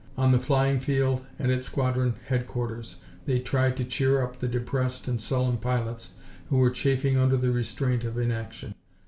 On the flying field, and at squadron headquarters, they tried to cheer up the depressed and sullen pilots who were chafing under the restraint of inaction.